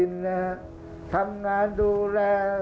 ภาคอีสานแห้งแรง